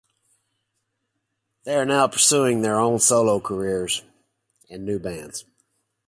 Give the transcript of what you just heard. They are now pursuing their own solo careers and new bands.